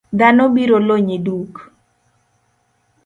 Dhano biro lonyi duk .